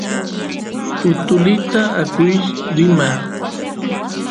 utulitata akush rima